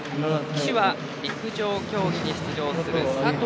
旗手は、陸上競技に出場する佐藤